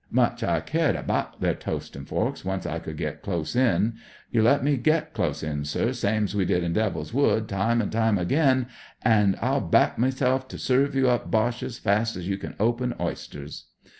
Much I cared abaht their toastin' forks once I could git dose in. You let me get close in, sir, same's we did in Devil's Wood, time an' time again, an^ 82 THE COCKNEY FIGHTER If I'll back meself to serve ye up Boches fast as you can open oysters.